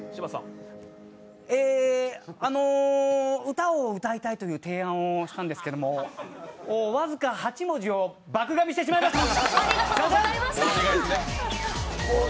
歌を歌いたいという提案をしたんですけれども、僅か８文字を爆がみしてしまいました。